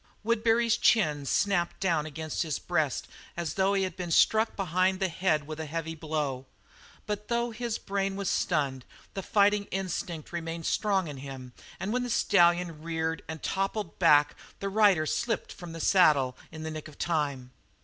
Woodbury's chin snapped down against his breast as though he had been struck behind the head with a heavy bar, but though his brain was stunned, the fighting instinct remained strong in him and when the stallion reared and toppled back the rider slipped from the saddle in the nick of time.